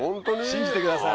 信じてください。